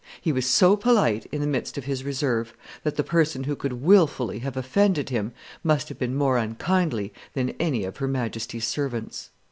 He was so polite in the midst of his reserve, that the person who could wilfully have offended him must have been more unkindly than any of her Majesty's servants.